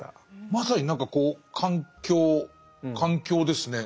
まさに何かこう環境環境ですね。